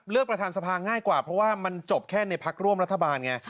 ประธานสภาง่ายกว่าเพราะว่ามันจบแค่ในพักร่วมรัฐบาลไง